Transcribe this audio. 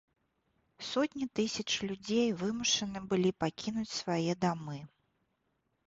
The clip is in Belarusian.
Сотні тысяч людзей вымушаны былі пакінуць свае дамы.